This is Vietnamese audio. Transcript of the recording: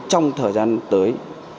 trong thời gian tới